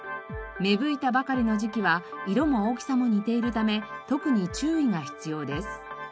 芽吹いたばかりの時期は色も大きさも似ているため特に注意が必要です。